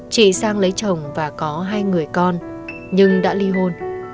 chị sang lấy chồng và có hai người con nhưng đã ly hôn